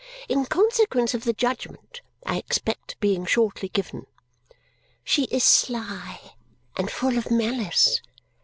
In consequence of the judgment I expect being shortly given. She is sly and full of malice.